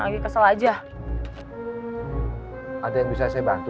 gak ada sih pak